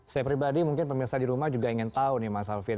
saya pribadi mungkin pemirsa di rumah juga ingin tahu nih mas alvin